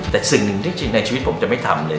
แต่สิ่งหนึ่งที่จริงในชีวิตผมจะไม่ทำเลย